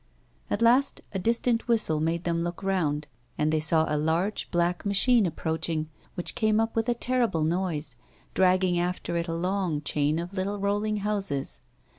At last a distant whistle made them look round, and they saw a large, black machine approaching, which came up with a terrible noise, dragging after it a long chain of little rolling houses.